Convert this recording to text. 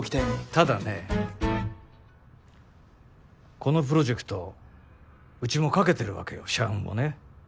ただねこのプロジェクトうちも懸けてるわけよ社運をね。